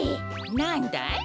なんだい？